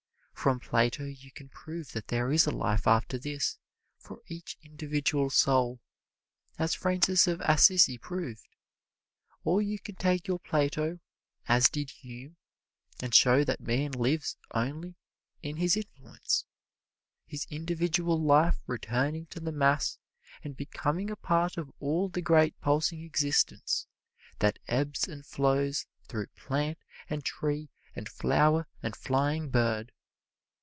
From Plato you can prove that there is a life after this for each individual soul, as Francis of Assisi proved, or you can take your Plato, as did Hume, and show that man lives only in his influence, his individual life returning to the mass and becoming a part of all the great pulsing existence that ebbs and flows through plant and tree and flower and flying bird.